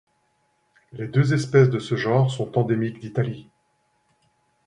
Les deux espèces de ce genre sont endémiques d'Italie.